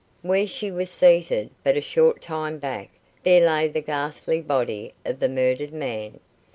Where she was seated, but a short time back, there lay the ghastly body of the murdered man.